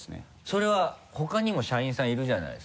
それはほかにも社員さんいるじゃないですか。